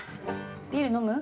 ビール飲む？